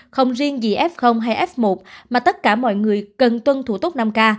không riêng gì f hay f một mà tất cả mọi người cần tuân thủ tốt năm k